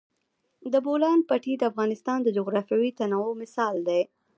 د بولان پټي د افغانستان د جغرافیوي تنوع مثال دی.